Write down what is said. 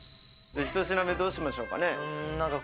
１品目、どうしましょうかね？